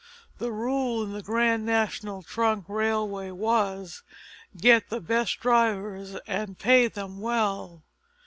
The rule in the Grand National Trunk Railway was get the best drivers and pay them well.